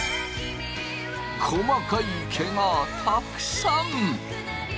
細かい毛がたくさん。